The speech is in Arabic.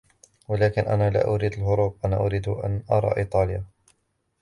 ولكن أنا لا أريد الهروب, أنا أريد أن أرى إيطاليا.